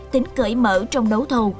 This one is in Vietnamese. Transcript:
tính cởi mở trong đấu thầu